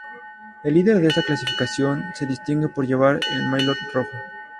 El líder de esta clasificación se distinguía por llevar el maillot rojo.